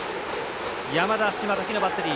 山田、島瀧のバッテリー。